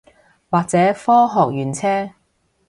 或者科學園車